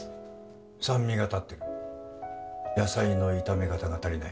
酸味が立ってる野菜の炒め方が足りない